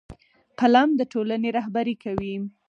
قلم د ټولنې رهبري کوي